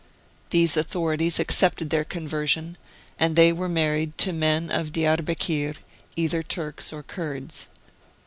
These authorities accepted their conversion~and they were married to men of Diarbekir, either Turks or Kurds.